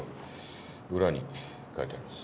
裏に書いてあります。